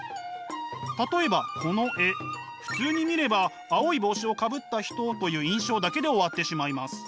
例えばこの絵普通に見れば青い帽子をかぶった人という印象だけで終わってしまいます。